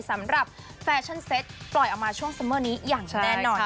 แฟชั่นเซ็ตปล่อยออกมาช่วงซัมเมอร์นี้อย่างแน่นอน